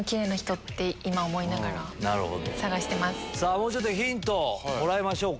もうちょっとヒントをもらいましょうか。